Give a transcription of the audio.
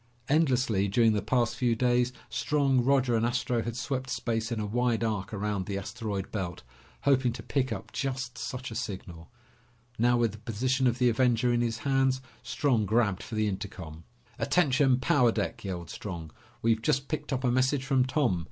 Endlessly, during the past few days, Strong, Roger, and Astro had swept space in a wide arc around the asteroid belt, hoping to pick up just such a signal. Now, with the position of the Avenger in his hands, Strong grabbed for the intercom. "Attention, power deck!" yelled Strong. "We've just picked up a message from Tom.